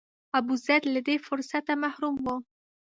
ابوزید له دې فرصته محروم و.